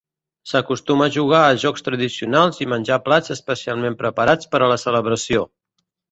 S'acostuma a jugar a jocs tradicionals i menjar plats especialment preparats per a la celebració.